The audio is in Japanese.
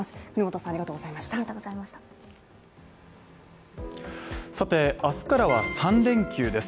さて、明日からは３連休です。